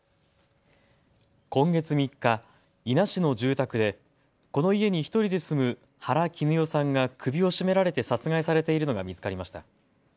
今月３日、伊那市の住宅でこの家に１人で住む原貴努代さんが首を絞められて殺害されているのが見つかりました。